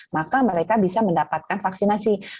maka mereka bisa mendapatkan vaksinasi